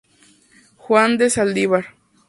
Juan de Saldívar.